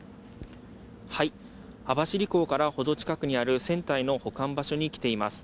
網走港から程近くにある船体の保管場所に来ています。